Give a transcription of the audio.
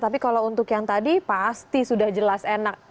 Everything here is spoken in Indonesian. tapi kalau untuk yang tadi pasti sudah jelas enak